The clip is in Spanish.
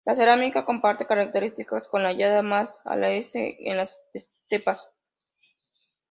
La cerámica comparte características con la hallada más al este en las estepas.